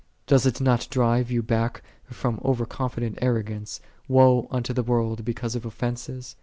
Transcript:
7 Doth it not drive thee back from over confi dent arrogance, " Woe unto the world because of offenses